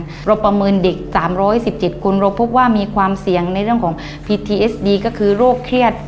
ในการประเมินเด็ก๓๑๗คนมีความเสี่ยงในเรื่องเพฯทีเอสดี